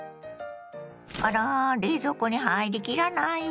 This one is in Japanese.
あら冷蔵庫に入り切らないわ。